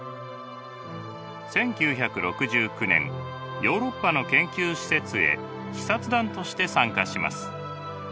１９６９年ヨーロッパの研究施設へ視察団として参加します。